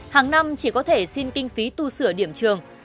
hàng năm chỉ có thể xin kinh phí tu sửa điểm trường